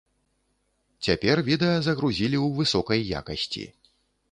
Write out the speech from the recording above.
Цяпер відэа загрузілі ў высокай якасці.